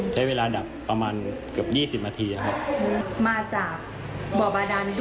ใช้เวลาดับประมาณเกือบ๒๐อาทิตย์ครับ